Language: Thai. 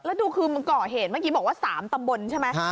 แล้วดูคือมันก่อเหตุเมื่อกี้บอกว่า๓ตำบลใช่ไหม